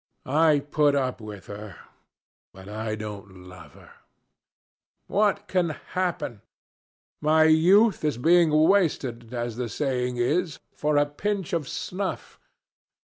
I put up with her, but I don't love her. What can happen? My youth is being wasted, as the saying is, for a pinch of snuff.